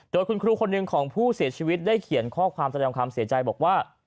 โดยคุณครูคนหนึ่งของผู้เสียชีวิตได้เขียนข้อความแสดงความเสียใจบอกว่า